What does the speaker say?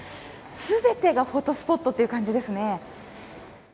全てがフォトスポットという感じですね。